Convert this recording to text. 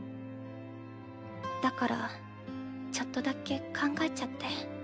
だからちょっとだけ考えちゃって。